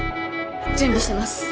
準備してます。